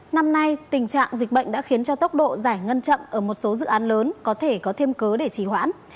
năm nay tình trạng dịch bệnh đã khiến cho tốc độ giải ngân chậm ở một số dự án lớn có thể có thêm cớ để trí hoãn